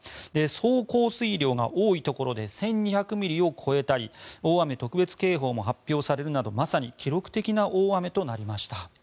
総降水量が多いところで１２００ミリを超えたり大雨特別警報も発表されるなどまさに記録的な大雨となりました。